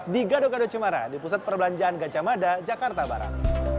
di gado gado cemara di pusat perbelanjaan gajah mada jakarta barat